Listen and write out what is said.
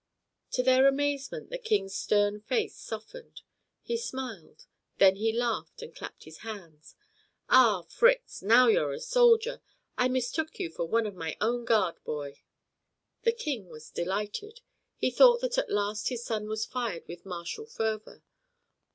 To their amazement the King's stern face softened; he smiled, then he laughed and clapped his hands. "Ah, Fritz, now you're a soldier! I mistook you for one of my own guard, boy." The King was delighted. He thought that at last his son was fired with martial fervor.